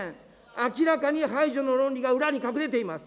明らかに排除の論理が裏に隠れています。